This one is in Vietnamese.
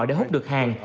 để hút được hàng